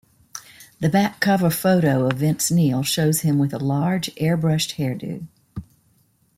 The back cover photo of Vince Neil shows him with a large airbrushed hairdo.